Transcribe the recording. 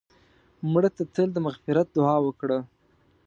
مړه ته تل د مغفرت دعا وکړه